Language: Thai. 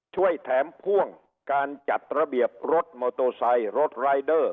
ช่วยแถมพ่วงการจัดระเบียบรถมอเตอร์ไซค์รถรายเดอร์